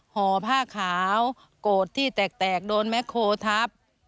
ห่อผ้าขาวโกรธที่แตกโดนแม็กโคทับ